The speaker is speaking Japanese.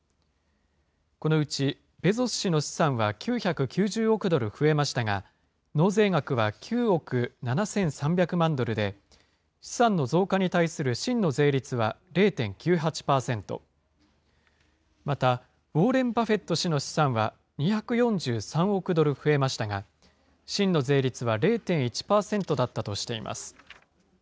このうちベゾス氏の資産は９９０億ドル増えましたが、納税額は９億７３００万ドルで、資産の増加に対する真の税率は０．９８％、また、ウォーレン・バフェット氏の資産は２４３億ドル増えましたが、真の税率は０．１％だったとしています。